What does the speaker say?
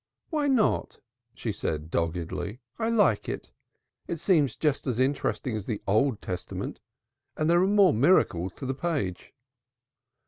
"Why not?" she said doggedly. "I like it. It seems just as interesting as the Old Testament, and there are more miracles to the page.''